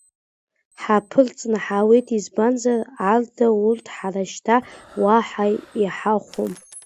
Ҳарԥырҵны ҳаауеит, избанзар, Арда, урҭ ҳара шьҭа уаҳа иҳахәом.